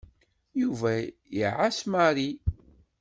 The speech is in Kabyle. Yuba iɛess Mary.